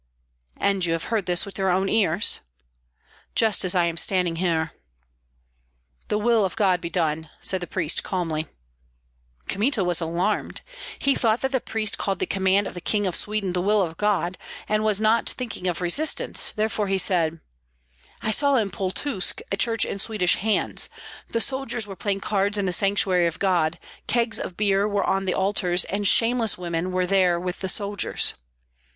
"And you have heard this with your own ears?" "Just as I am standing here." "The will of God be done!" said the priest, calmly. Kmita was alarmed. He thought that the priest called the command of the King of Sweden the will of God and was not thinking of resistance; therefore he said, "I saw in Pultusk a church in Swedish hands, the soldiers were playing cards in the sanctuary of God, kegs of beer were on the altars, and shameless women were there with the soldiers."